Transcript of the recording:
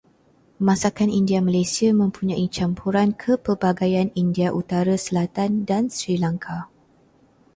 Masakan India Malaysia mempunyai campuran kepelbagaian India utara-selatan dan Sri Lanka.